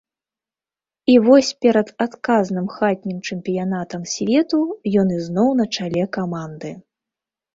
І вось перад адказным хатнім чэмпіянатам свету ён ізноў на чале каманды.